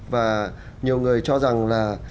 và nhiều người cho rằng là